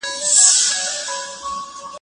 تر شرابو ډېر میین په پیالو سترګو